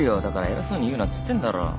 だから偉そうに言うなっつってんだろ。